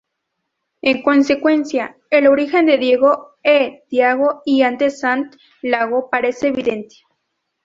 En consecuencia, el origen de "Diego" en "Tiago" y antes "Sant Iago" parece evidente.